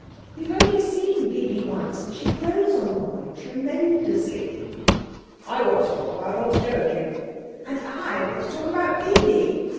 "You have only seen Bibi once, and she grows on one tremendously." "I want to talk about old Joachim." "And I want to talk about Bibi."